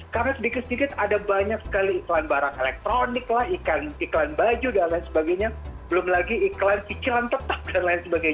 karena sedikit sedikit ada banyak sekali iklan barang elektronik lah iklan baju dan lain sebagainya belum lagi iklan cicilan tetap dan lain sebagainya